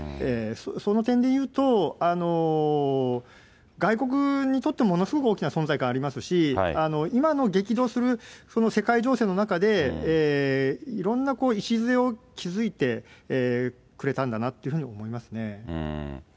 その点で言うと、外国にとってものすごく大きな存在感ありますし、今の激動する世界情勢の中で、いろんな礎を築いてくれたんだなというふうに思いますね。